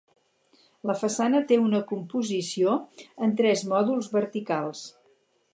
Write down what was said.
La façana té una composició en tres mòduls verticals.